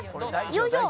よいしょ！